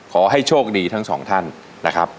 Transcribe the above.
ขอให้โชคดีทั้งสองท่านนะครับ